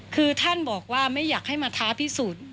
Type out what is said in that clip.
คือท่านบอกว่าไม่อยากให้มาท้าพิสูจน์